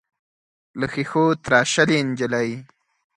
له ښیښو تراشلې نجلۍ.